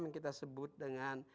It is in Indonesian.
yang kita sebut dengan